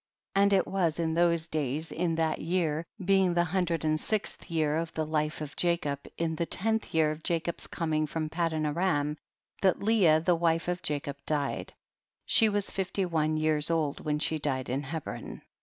2. And it was in those days, in that year, being the hundred and sixth year of the life of Jacob, in the tenth year of Jacob's coming from Padan aram, that Leah the wife of Jacob died ; she was fifty one years old when she died in Hebron.